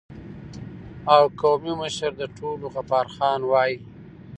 او قومي مشر د ټولو غفار خان وای